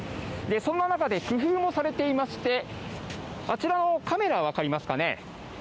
そんな中で工夫もされてまして、あちらのカメラ、分かりますかね？